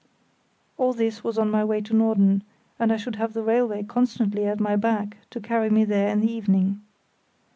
All this was on the way to Norden, and I should have the railway constantly at my back, to carry me there in the evening.